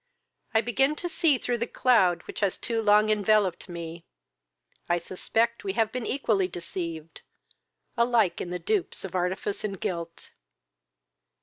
I begin to see through the cloud which has too long enveloped me. I suspect we have been equally deceived, alike the dupes of artifice and guilt."